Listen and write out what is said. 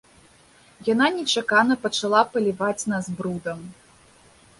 Яна нечакана пачала паліваць нас брудам.